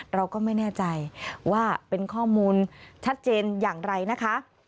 เราก็ไม่แน่ใจว่าเป็นข้อมูลชัดเจนอย่างไรนะคะ